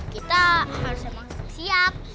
kita harusnya maksak siap